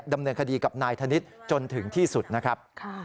ดำเนินคดีกับนายธนิษฐ์จนถึงที่สุดนะครับ